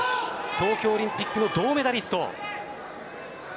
東京オリンピックの銅メダリスト。